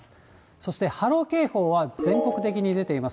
そして波浪警報は全国的に出ています。